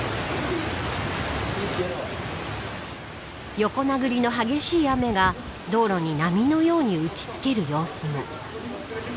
横殴りの激しい雨が道路に波のように打ち付ける様子も。